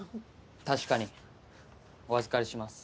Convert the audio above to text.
確かにお預かりします。